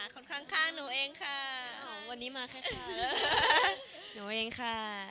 ค่ะค่าหนูเองค่ะวันนี้มาแค่ค่านะหนูเองค่ะ